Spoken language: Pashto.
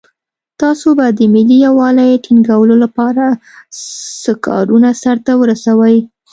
تاسو به د ملي یووالي ټینګولو لپاره څه کارونه سرته ورسوئ.